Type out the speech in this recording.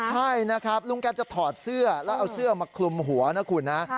ใช่นะครับลุงแกจะถอดเสื้อแล้วเอาเสื้อมาคลุมหัวนะคุณนะ